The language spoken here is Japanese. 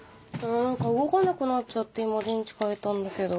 何か動かなくなっちゃって今電池かえたんだけど。